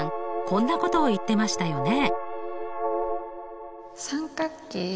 こんなことを言ってましたよね？